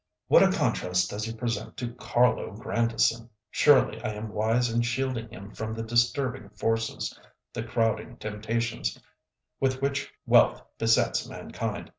"What a contrast does he present to Carlo Grandison! Surely I am wise in shielding him from the disturbing forces, the crowding temptations, with which wealth besets mankind.